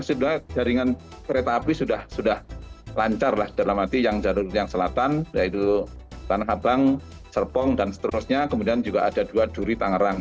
sebenarnya jaringan kereta api sudah lancar lah dalam arti yang jalur yang selatan yaitu tanah abang serpong dan seterusnya kemudian juga ada dua duri tangerang